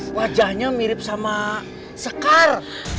wajahnya mirip sama sekar